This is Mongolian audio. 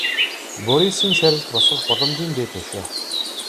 Борисын шарилд босгох боломжийн дээд хөшөө.